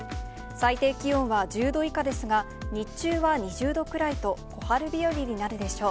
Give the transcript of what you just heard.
最低気温は１０度以下ですが、日中は２０度くらいと、小春日和になるでしょう。